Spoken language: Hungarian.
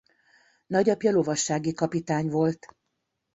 Nagyapja lovassági kapitány volt.